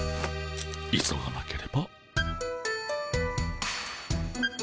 急がなければ。